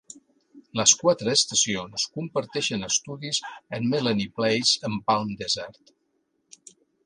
Les quatre estacions comparteixen estudis en Melanie Place en Palm Desert.